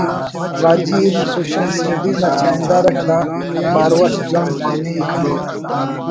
راجی علم (Social Studies) نا چاہندار آک دا بارو اٹ جوان پاننگ کرور